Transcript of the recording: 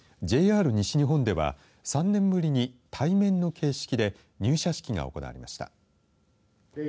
ＪＲ西日本では３年ぶりに対面の形式で入社式が行われました。